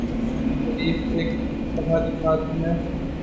Zarif ایک پڑھا لکھا آدمی ہے